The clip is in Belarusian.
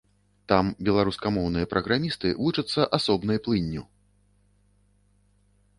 Там беларускамоўныя праграмісты вучацца асобнай плынню.